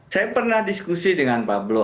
saya pernah diskusi dengan pablo